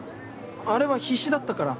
あれは必死だったから。